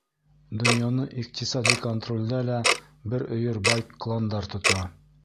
Донъяны иҡтисади контролдә лә бер өйөр бай кландар тота.